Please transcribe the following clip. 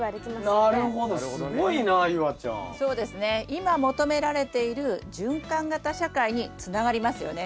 今求められている循環型社会につながりますよね。